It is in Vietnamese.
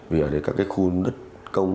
vì ở đấy các cái khu đất công